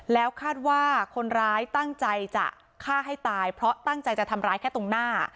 แล้วคาดว่าคนร้ายตั้งใจจะฆ่าให้ตายเพราะตั้งใจจะทำร้ายแค่ตรงหน้า